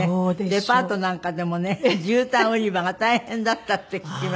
デパートなんかでもね絨毯売り場が大変だったって聞きました。